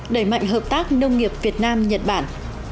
đẩy mạnh hợp tác nông nghiệp việt nam nhật bản